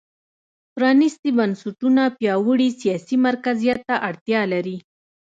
پرانېستي بنسټونه پیاوړي سیاسي مرکزیت ته اړتیا لري.